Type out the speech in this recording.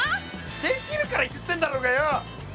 出来るから言ってんだろうがよ！